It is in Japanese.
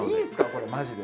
これマジで。